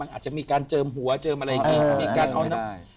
อาจจะมีการเจิมหัวเจิมอะไรอย่างนี้